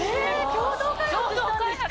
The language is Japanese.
共同開発したんですか？